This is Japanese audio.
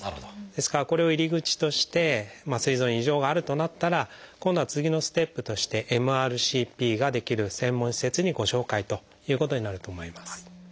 ですからこれを入り口としてすい臓に異常があるとなったら今度は次のステップとしてＭＲＣＰができる専門施設にご紹介ということになると思います。